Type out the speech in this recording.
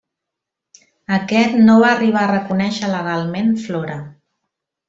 Aquest no va arribar a reconèixer legalment Flora.